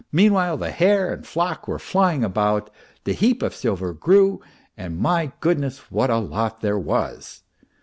Meanwhile the hair and flock were flying about, the heap of silver grew and, my goodness, what a lot there was